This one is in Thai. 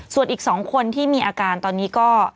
ส่วนอีก๒คนที่มีอาการตอนนี้ก็